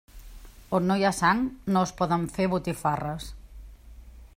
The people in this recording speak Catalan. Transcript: On no hi ha sang, no es poden fer botifarres.